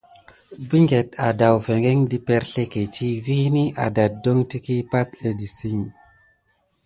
Binkete aɗevingə ɗe perslekidi vini aɗakudon tiki pay édisik.